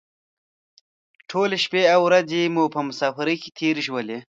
ټولې شپې او ورځې مو په مسافرۍ کې تېرې شولې.